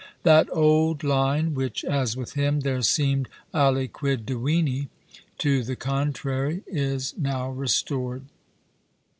That old line which (as with him) there seemed, aliquid divini, to the contrary is now restored.